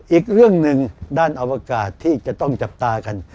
อีกเรื่องหนึ่งด้านอวกาศที่จะต้องจับตากัน